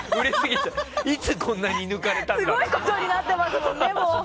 いつこんなに抜かれたんだって。